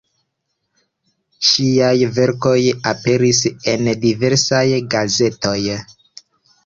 Ŝiaj verkoj aperis en diversaj gazetoj.